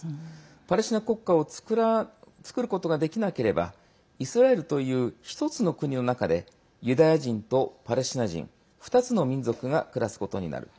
パレスチナ国家を作ることができなければイスラエルという一つの国の中でユダヤ人とパレスチナ人２つの民族が暮らすことになる。